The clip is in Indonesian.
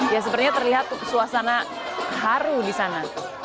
ya sepertinya terlihat suasana haru di sana